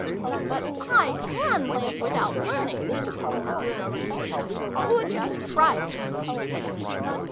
"But I can live without learning!" Bruno retorted. " Oo just try me